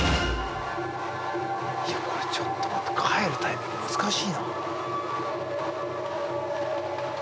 いやこれちょっと待って帰るタイミング難しいな。